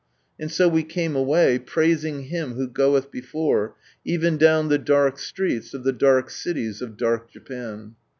And so we caroe away, praising Him who goeth before, even down the dark streets of the dark cities of dark Japan.